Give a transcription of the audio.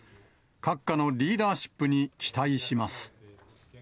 閣下のリーダーシップに期待します。